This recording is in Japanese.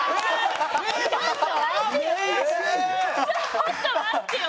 ちょっと待ってよ！